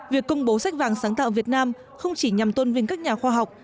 việc công bố sách vàng sáng tạo việt nam không chỉ nhằm tôn vinh các nhà khoa học